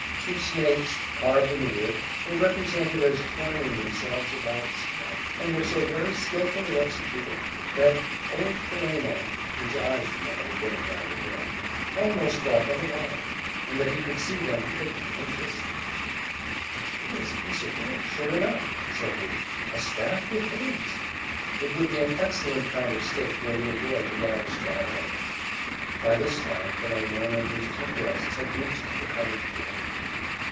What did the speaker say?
Two snakes, carved in the wood, were represented as twining themselves about the staff, and were so very skilfully executed that old Philemon (whose eyes, you know, were getting rather dim) almost thought them alive, and that he could see them wriggling and twisting. "A curious piece of work, sure enough!" said he. "A staff with wings! It would be an excellent kind of stick for a little boy to ride astride of!" By this time, Philemon and his two guests had reached the cottage door.